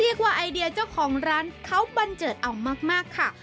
เรียกว่าไอเดียเจ้าของร้านเขาบันเจิดออกมากค่ะ